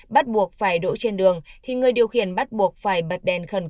bắt buộc phải đỗ trên đường thì người điều khiển bắt buộc phải bật đèn khẩn cấp